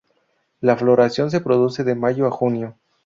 La floración se produce de mayo a junio.